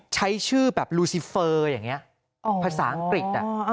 ใช้ชื่อแบบลูซิเฟอร์อย่างนี้ภาษาอังกฤษ